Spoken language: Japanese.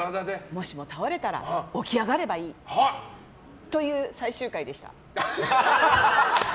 もしも倒れたら起き上がればいい！という最終回でした。